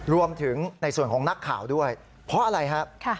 รวมถึงในส่วนของนักข่าวด้วยเพราะอะไรครับ